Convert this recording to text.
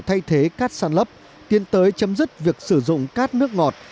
thay thế cát sàn lấp tiến tới chấm dứt việc sử dụng cát nước ngọt